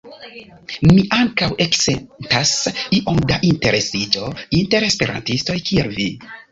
Mi ankaŭ eksentas iom da interesiĝo inter esperantistoj, kiel vi!